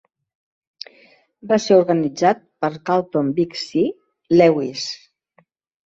Va ser organitzat per Carlton "Big C" Lewis.